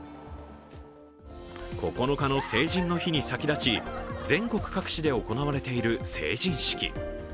９日の成人の日に先立ち、全国各地で行われている成人式。